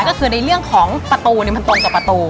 ก็คือในเรื่องของประตูมันตรงกับประตู